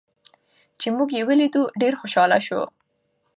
چې موږ یې ولیدو، ډېر خوشحاله شو.